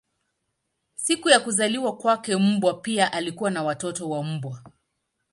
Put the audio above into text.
Siku ya kuzaliwa kwake mbwa pia alikuwa na watoto wa mbwa.